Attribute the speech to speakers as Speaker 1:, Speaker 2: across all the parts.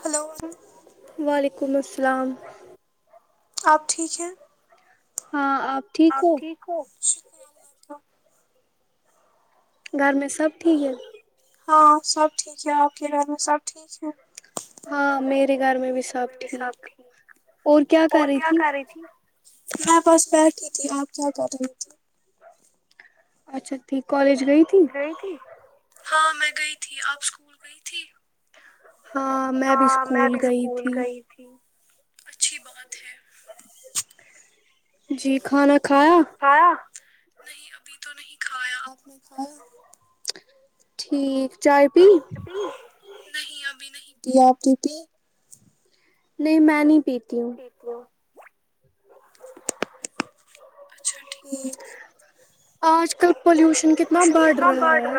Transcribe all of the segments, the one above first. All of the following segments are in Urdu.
Speaker 1: ہلو
Speaker 2: اسلام
Speaker 1: آپ ٹھیک ہے
Speaker 2: ہاں
Speaker 1: آپ ٹھیک ہوچ ف
Speaker 2: گھر میں سب ٹھیک ہے
Speaker 1: ہاں سب ٹھیک ہے آپ کے گھر میں سب ٹھیک ہے
Speaker 2: ہاں میرے گھر میں بھی سب ٹھیک اور کیا کر رہی تھی
Speaker 1: میں بس بیٹھی تھی آپ کیا کر رہی تھھی
Speaker 2: اچھا ٹھیک کالج گئی تھی
Speaker 1: ہاں میں گئی تھی آپ اسکول گئی تھی
Speaker 2: ہاں میں بھی اسکول گئی تھی
Speaker 1: اچھی بات ہے
Speaker 2: جی کھانا کھاں
Speaker 1: نہیں ابھی تو نہیں کھایا آپ نے کو
Speaker 2: ٹھیک چائے پی
Speaker 1: بھی نہیں ابھی نہیں تھی آپ کی تھی
Speaker 2: نہیں میں نہیں پیتا تیوں
Speaker 1: اچھا ٹھیک
Speaker 2: آج کل پولوشن کتنا بڑھ رہا ہے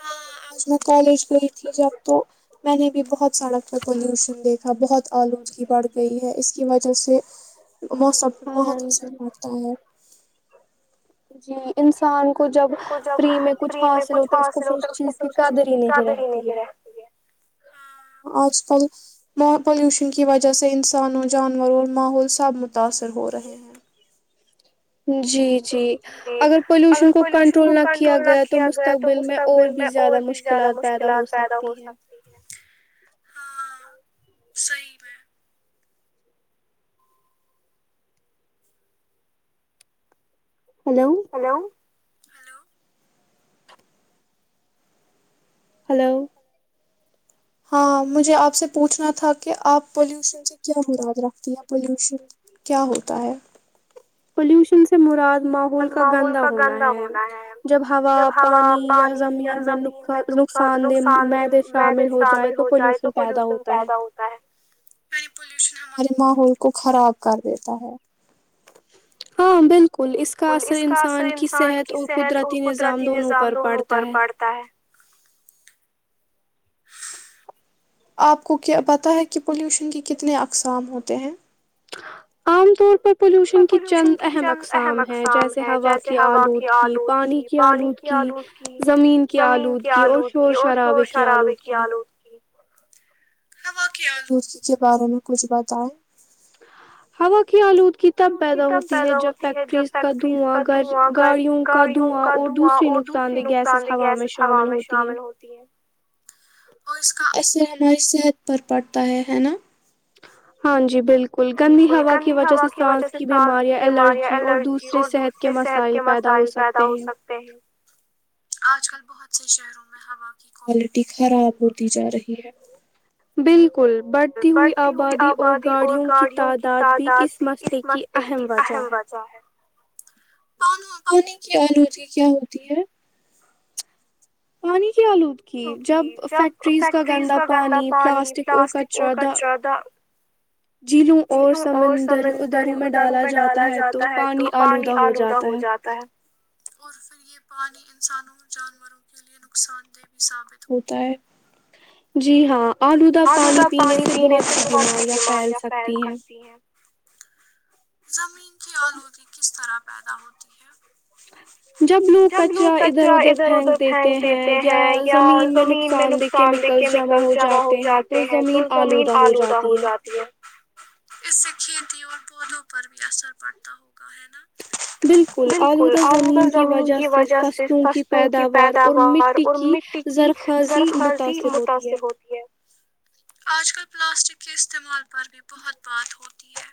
Speaker 1: ہاں آج میں کالج گئی تھی جب تو میں نے بھی بہت سڑک پہ پولیوشن دیکھا بہت آلودگی بڑھ گئی ہے اس کی وجہ سے موسم پ بہت اثر پڑتا ہے
Speaker 2: جی انسان کو جب فری میں کچھ حاصل ہوتا اس کو پھر اس چیز کی قدر ہی نہیں رہتی ہے
Speaker 1: پلیوشن کی وجہ سے انسانوں جانوروں ماحول سب متاثر ہو رہے ہیں
Speaker 2: جی جی اگر پولوشن کو کنٹرول نہ کیا گیا تو مستقبل میں اور بھی زیادہ مشکلات پیدا ہو سکتی ہے
Speaker 1: ہیلو
Speaker 2: ہلو
Speaker 1: ہاں مجھے آپ سے پوچھنا تھا کہ آپ پلیوشن سے کیا مراد رکھتی ہیں پالوشن کیا ہوتا ہے
Speaker 2: پولوشن سے مراد ماحول کا گندا ہونا ہے جب ہوا پانی یا زمین میں نقصان دہ م دے شامل ہو جائے تو پولوشن پیدا ہوتا ہے
Speaker 1: ہمارے ماحول کو خراب کر دیتا ہے
Speaker 2: ہاں ب کل اس کا اثر انسان کی صحت اور قدرتی نظام دونوں پر پڑتا ہے
Speaker 1: آپ کو کیا پتہ ہے کہ پولیوشن کی کتنے اقسام ہوتے ہیں
Speaker 2: عام طور پر پولوشن کی چند اہم اقسام ہیں جیسے ہوا کی آلودگی پانی کی آلودگی زمین کی آلودگی اور شور شرابے کی آلودگی
Speaker 1: ا کیا دوی کے بارے میں کچھ بتائیں
Speaker 2: ہا خیال ہو
Speaker 1: آلود کی تب پیدا ہوتی ہے جب فیکٹریز کا دھواں گاڑیوں کا دھواں اور دوسری نقصان دہ گیسز ہوا میں شامل ہوتی ہے اور اس کا اثے ہماری صحت پر پڑتا ہے ہے نا
Speaker 2: ہاں جی بالکل بالکل گندی ہوا کی وجہ سے سانس کی بیماریاں الرجی اور دوسرے صحت کے مسائل پیدا ہو سکتے ہیں
Speaker 1: آج کل بہت سے شہروں میں ہوا کی کوالٹی خراب ہوتی جار رہی ہے
Speaker 2: بالکل کل بڑھتی ہوئی آبادی اور گاڑیوں کی تعداد بھی اس مسئلے کی اہم وجہ ہے
Speaker 1: پانی کی آلودگ کیا ہوتی ہے
Speaker 2: کوانی آلودگی جب فیکٹریز کا گندا پانی پلاسٹک اور کچرا د
Speaker 1: جلوں اور سمندری دروں میں ڈالا جاتا ہے تو پانی آلودہ ہو جاتا ہے اور پھر یہ پانی انسانوں اور جانوروں کے لیے نقصان دہ بھی ثابت ہوتا ہے
Speaker 2: جی ہاں آلودہ پانی پینے سے بہت سی بیماریاں پھیل سکتی ہیں
Speaker 1: زمین کی آلودی کس طرح پیدا ہوتی ہے
Speaker 2: جب لوگ کچرا ادھر ادھر پھینک دیتے ہیں یا زمین میں نقصان دہ کیمیکلس جمع ہو جاتے ہیں
Speaker 1: جاتے ہیں تو زمین آلودہ ہو جاتی ہے اس سے کھیتی اور پودوں پر بھی اثر پڑتا ہوگا ہے نا
Speaker 2: بالکل آلودہ زمین کی وجہ سے فصلوں کی پیداوار اور مٹی کی زرخازی متاثر ہوتی ہے
Speaker 1: آج کل پلاسٹک کے استعمال پر بھی بہت بات ہوتی ہے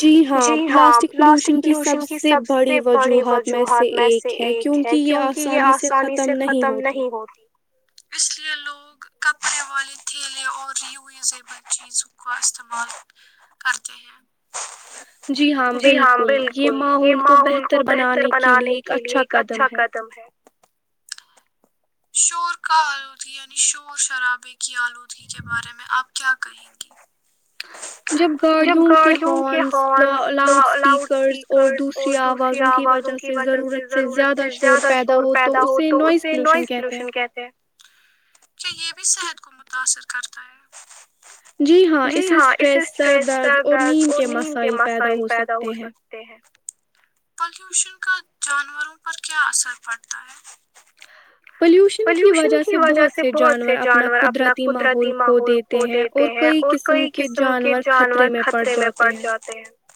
Speaker 2: جی ہاں پلاسٹک پلیوشن کی سب سے بڑی وجوہات میں سے ایک ہے کیونکہ یہ آسانی سے ختم نہیں ہوتی
Speaker 1: اس لیے لوگ کب پنے والے تھیلے اور رییوزیبل چیزوں کا استعمال کرتے ہیں جی ہاں بالکل یہ ماحول کو بہتر بنانے کے لیے ایک اچھا قدم ہے۔ شور کا آلودگی یعنی شور شرابے کی آلودگی کے بارے میں آپ کیا کہیں گی۔
Speaker 2: جب گاڑیوں کے ہارنس لاؤڈ اسپیکرز اور دوسری آوازوں کی وجہ سے ضرورت سے زیادہ شور پیدا ہو تو اسے نوائز پولوشن کے۔
Speaker 1: پولوشن کہتے ہیں کیا یہ بھی صحت کو ۔ متاثر کرتا ہے جی ہاں اسے اسٹریس سر درد اور نیند کے مسائل پیدا ہو سکتے ہیں۔ پولوشن کا جانوروں پر کیا اثر پڑتا ہے
Speaker 2: پلیوشن کی وجہ سے بہت سے جانور اپنا قدرتی ماحول کھو دیتے ہیں اور کئی قسم کے جانور خطرے میں پڑ جاتے ہیں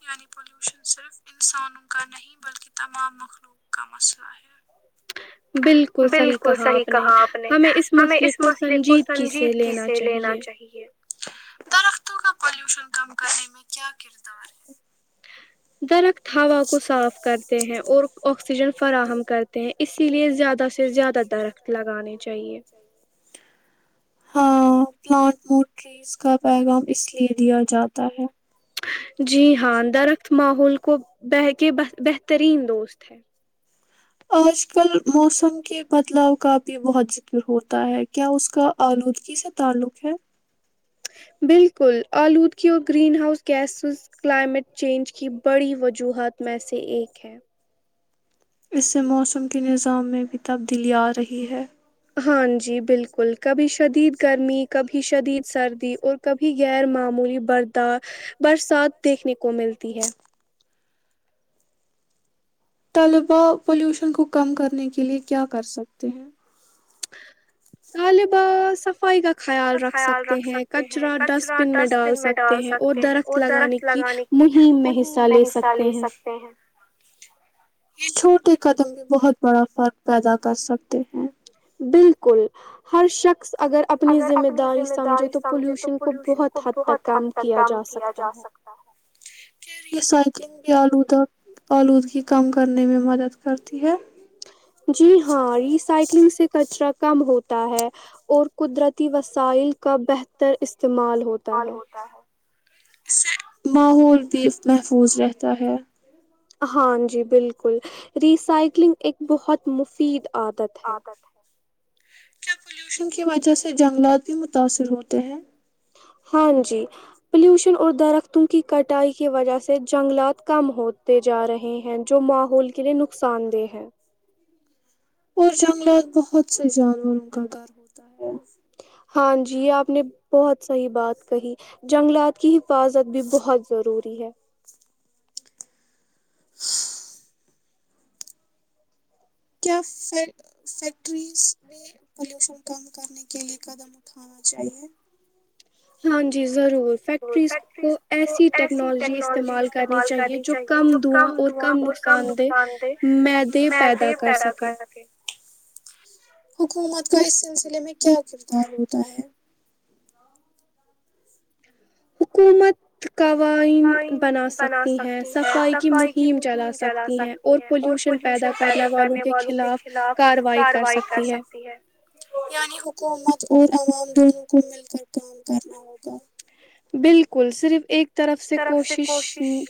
Speaker 1: یعنی پولوشن صرف انسانوں کا نہیں بلکہ تمام مخلوق کا مسئلہ ہے
Speaker 2: بالکل صحیح
Speaker 1: کو صحیح کہا آپ نے ہمیں اس مسئلے کو سنجیدگی سے لینا چاہیے درختوں کا پالوشن کم کرنے میں کیا کردار ہے
Speaker 2: درخت ہوا کو صاف کرتے ہیں اور آکسیجن فراہم کرتے
Speaker 1: ہاں۔ پلانٹ مور ٹریز کا پیغام اس لیے دیا جاتا ہے۔
Speaker 2: جی ہاں درخت ماحول کو بہ کے بہترین دوست ہیں ۔
Speaker 1: آج کل موسم کے بدلاؤ کا بھی بہت ذکر ہوتا ہے کیا اس کا آلودگی سے تعلق ہے۔
Speaker 2: بالکل آلودگی اور greenhouse gases climate. Change کی بڑی وجوہات۔ میں سے ایک ہے۔ [unintelligible]
Speaker 1: اس سے موسم کے نظام میں بھی تبدیلی آ رہی ہے۔
Speaker 2: ہاں جی بالکل کبھی شدید گرمی کبھی شدید سردی اور کبھی غیرممولی بردار۔ برسات دیکھنے کو ملتی ہے۔
Speaker 1: طلباء پلیوشن کو کم کرنے کے لیے کیا کر سکتے ہیں۔
Speaker 2: صفائی کا۔
Speaker 1: کا خیال رکھ سکتے ہیں کچرا ڈسٹ بن میں ڈال سکتے ہیں اور درخت لگانے کی مہم میں حصہ لے سکتے ہیں۔ یہ چھوٹے قدم بھی بہت بڑا فرق پیدا کر سکتے ہیں۔
Speaker 2: بالکل ہر شخص۔ [unintelligible] اگر اپنی ذمہ داری سمجھے تو پولوشن کو بہت حد تک کم کیا جا سکتا ہے۔
Speaker 1: کیا ریسائکلنگ بھی آود آلودگی کم کرنے میں مدد کرتی ہے۔
Speaker 2: جی ہاں ریسائکلنگ سے کچرا۔ کم ہوتا ہے اور قدرتی وسائل کا بہتر۔ استعمال ہوتا ہے۔
Speaker 1: ماحول بھی محفوظ رہتا ہے
Speaker 2: ہاں جی بالکل ریسائکلنگ ایک بہت مفید
Speaker 1: عادت ہے کیا پولوشن کی وجہ سے جنگلات بھی متاثر ہوتے ہیں
Speaker 2: ہاں جی پلیوشن اور درختوں کی کٹائی کی وجہ سے جنگلات کم ہوتے جا رہے ہیں جو ماحول کے لیے نقصان دہ ہے
Speaker 1: اور جنگلات بہت سے جانوروں کا گھر ہوتا ہے
Speaker 2: ہاں جی یہ آپ نے بہت صحی بات کہی جنگلات کی ہی حفاظت بھی بہت ضروری ہے
Speaker 1: [inaudible] کیا فیکٹریز میں پلیوشن کم کرنے کے لئے قدم اٹھانا چاہیے
Speaker 2: ہاں جی [inaudible] ضرور فیکٹریز کو ایسی ٹیکنالوجی استعمال کرنی چاہیے جو کم دواں اور کم نقصان دہ معدے پیدا کر سکے
Speaker 1: حکومت کا اس سلسلے میں کیا کردار ہوتا ہے
Speaker 2: حکومت
Speaker 1: آئن بنا سکتی ہیں صفائی کی مہم چلا سکتی ہیں اور پولوشن پیدا کرنے والوں کے خلاف کاروائی کر سکتی ہے یعنی حکومت کو تام دونوں کو مل کر کام کرنا ہوگا [unintelligible]
Speaker 2: بالکل صرف ایک طرف سے کوشش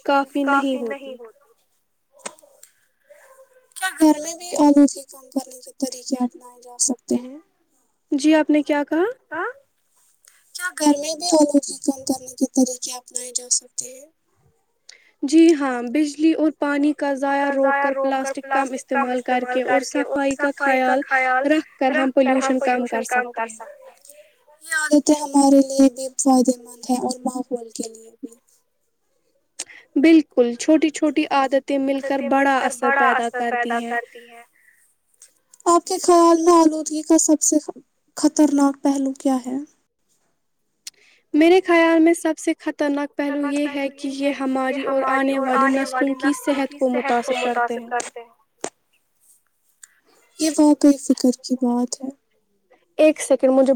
Speaker 2: کافی نہیں ہوتی
Speaker 1: کیا گھر میں بھی آلودی کام کرنے کے طریقے اپنائے جا سکتے ہیں
Speaker 2: جی آپ نے کیا کہا؟
Speaker 1: کیا گھر میں بھی آلودگی کم کرنے کے طریقے اپنائے جا سکتے ہیں
Speaker 2: جی ہاں بجلی اور پانی کا ضائع روک کر پلاسٹک کم استعمال کرکے اور صفائی کا خیال رکھ کر ہم پلیوشن کم کرسکتے ہیں
Speaker 1: ہمارے لیے بھی فائدے مند ہے اور ماحول کے لیے بھی
Speaker 2: بالکل چھوٹی چھوٹی عادت
Speaker 1: عادتیں مل کر بڑا اثر پیدا کرتی ہیں آپ کے خیال میں آلودگی کا سب سے خطرناک پہلو کیا ہے
Speaker 2: میرے خیال میں سب سے خطرناک پہلو یہ ہے کہ یہ ہماری اور آنے والی نسلوں کی صحت کو متاثر کرتے ہیں
Speaker 1: یہ واقعی فکر کی بات
Speaker 2: سیکنڈ مجھے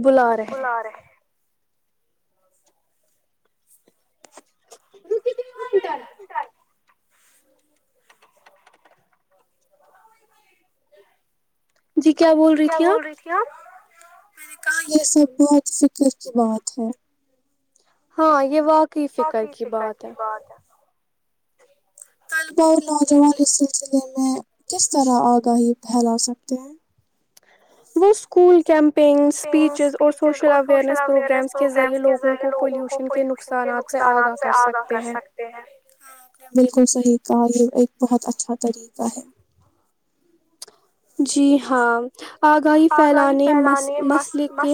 Speaker 1: بلارے [unintelligible]
Speaker 2: جی کیا بول رہی تھی آپ
Speaker 1: میں نے کہا یہ سب بہت فکر کی بات ہے
Speaker 2: ہاں یہ وق [unintelligible] بقی فکر کی بات ہے
Speaker 1: طلباء اور نوجوان اس سلسلے میں کس طرح آگاہی پھیلا سکتے ہیں
Speaker 2: وہ اسکول کے کیمپین اسپیچیز اور سوشل اویئرنیس پروگرامز کے ذریعے لوگوں کو پولیوشن کے نقصانات سے آگاہ کر سکتے ہیں
Speaker 1: آپ نے بالکل صحیح کہا یہ ایک بہت اچھا طریقہ ہے
Speaker 2: جی ہاں آگاہی پھیلانے مسئل کے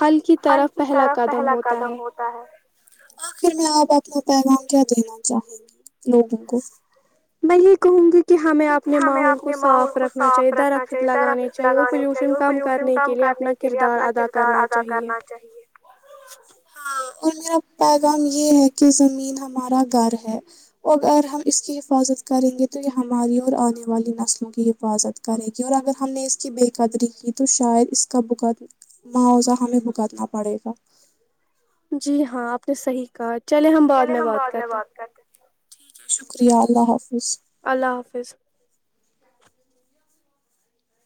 Speaker 2: حل کی طرف پہلا قدم ہوتا ہے
Speaker 1: آخر میں آپ اپنا پیغام کیا دینا چاہیں گی لوگوں کو
Speaker 2: میں یہ کہوں گی کہ ہمیں اپنے ماحول کو صاف رکھنا چاہیے درخت لگانے چاہیے اور پولوشن کم کرنے کے لیے اپنا کردار ادا کرنا چاہیے
Speaker 1: اور میرا پیغام یہ ہے کہ زمین ہمارا گھر ہے اور اگر ہم اس کی حفاظت کریں گے تو یہ ہماری اور آنے والی نسلوں کی حفاظت کرے گی اور اگر ہم نے اس کی بے قدری کی تو شاید اس کا بھگت معاوضہ ہمیں بھگتنا پڑے گا
Speaker 2: جی ہاں آپ نے صحیح کہا چلے ہم بعد میں بات کرتے
Speaker 1: اللہ حافظ ہان
Speaker 2: اللہ حافظ